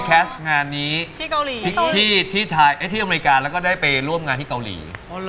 แคสต์งานนี้ที่อเมริกาแล้วก็ได้ไปร่วมงานที่เกาหลี